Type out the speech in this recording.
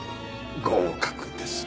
合格です。